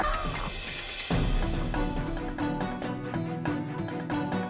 aku akan menang